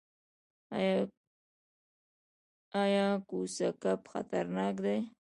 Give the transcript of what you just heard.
ایا کوسه کب خطرناک دی؟